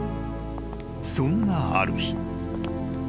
［そんなある日］